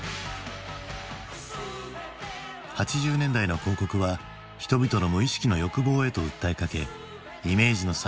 ８０年代の広告は人々の無意識の欲望へと訴えかけイメージの差